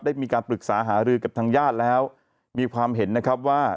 ได้มีการปรึกษาหารือกับทางญาติแล้วมีความเห็นนะครับว่า